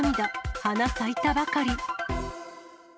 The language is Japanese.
花咲いたばかり。